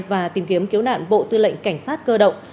và tìm kiếm cứu nạn bộ tư lệnh cảnh sát cơ động